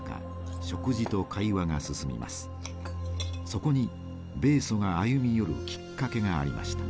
そこに米ソが歩み寄るきっかけがありました。